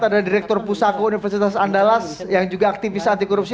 ada direktur pusako universitas andalas yang juga aktivis anti korupsi